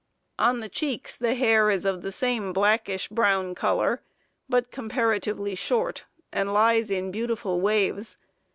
On the cheeks the hair is of the same blackish brown color, but comparatively short, and lies in beautiful waves.